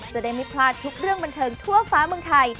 จะได้ไม่พลาดทุกเรื่องบันเทิงทั่วฟ้าเมืองไทย